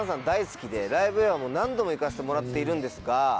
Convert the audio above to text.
大好きでライブへは何度も行かせてもらっているんですが。